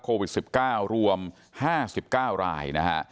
โควิด๑๙รวม๕๙รายนะฮะ